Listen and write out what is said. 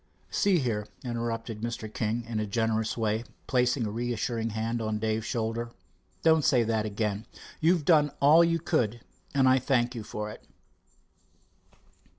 "See here," interrupted Mr. King, in a generous way, placing a reassuring hand on Dave's shoulder, "don't say that again. You've done all you could, and I thank you for it.